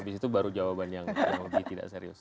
habis itu baru jawaban yang lebih tidak serius